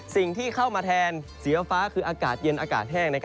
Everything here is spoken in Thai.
สิ่งที่เข้ามาแทนสีฟ้าคืออากาศเย็นอากาศแห้ง